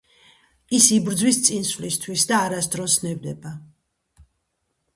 ის იბრძვის წინსვლისთვის და არასოდეს ნებდება.